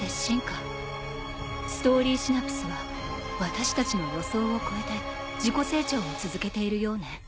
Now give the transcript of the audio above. ストーリーシナプスは私たちの予想を超えて自己成長を続けているようね。